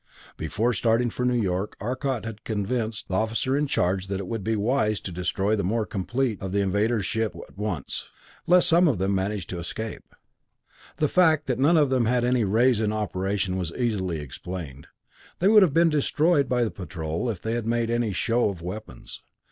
Before starting for New York, Arcot had convinced the officer in charge that it would be wise to destroy the more complete of the invaders' ships at once, lest one of them manage to escape. The fact that none of them had any rays in operation was easily explained; they would have been destroyed by the Patrol if they had made any show of weapons.